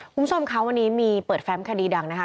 คุณผู้ชมคะวันนี้มีเปิดแฟมคดีดังนะคะ